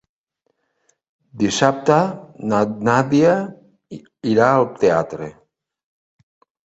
Dissabte na Nàdia irà al teatre.